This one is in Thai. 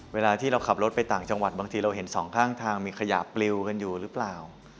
เวลาที่เราขับรถไปต่างจังหวัดบางทีเราเห็นสองข้างทางมีขยะปลิวกันอยู่หรือเปล่า